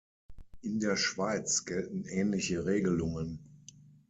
In der Schweiz gelten ähnliche Regelungen.